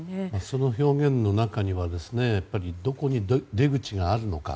その表現の中にはどこに出口があるのか。